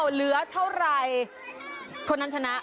เหลือเท่าไรคนนั้นชนะ